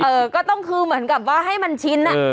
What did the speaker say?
เออก็ต้องคือเหมือนกับว่าให้มันชินอ่ะ